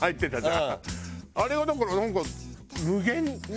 あれはだからなんか無限に。